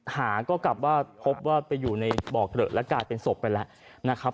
หาก็พบว่าอยู่ในบ่อกเลอะและกลายเป็นศพไปแล้ว